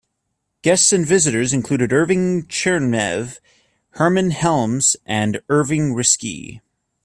Guests and visitors included Irving Chernev, Hermann Helms, and Irving Riskie.